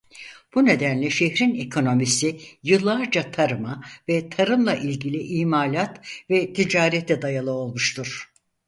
Bu nedenle şehrin ekonomisi yıllarca tarıma ve tarımla ilgili imalat ve ticarete dayalı olmuştur.